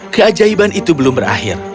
keajaiban itu belum berakhir